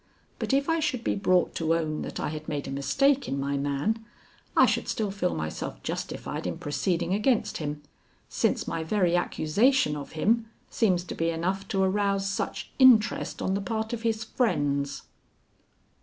But if I should be brought to own that I had made a mistake in my man, I should still feel myself justified in proceeding against him, since my very accusation of him seems to be enough to arouse such interest on the part of his friends."